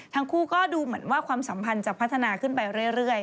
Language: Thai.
ทั้งคู่ก็ดูเหมือนว่าความสัมพันธ์จะพัฒนาขึ้นไปเรื่อย